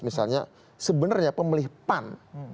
misalnya sebenarnya pemelihpan